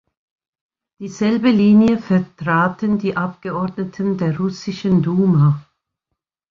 Dieselbe Linie vertraten die Abgeordneten der russischen Duma.